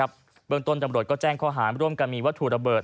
บริษัทตำรวจก็แจ้งข้อหางร่วมกันมีวัตถุระเบิด